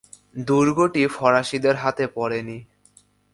দুর্গটি ফরাসিদের হাতে পড়েনি।